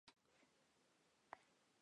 توره لوخړه پورته شوه.